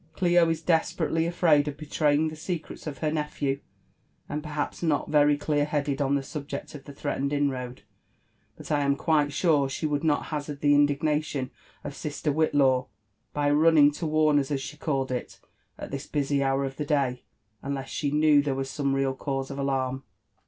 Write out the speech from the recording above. Clio is desperately afraid of betraying the secrets of her nephew, and perhaps not very clear headed on the subject of the threatened inroad ; but I am quite sure she would not hazard the indignation of 'sister Whitlaw,' by running to warn us, as she called it, at this busy hour of the day, unless she knew there was some real cause of alarm.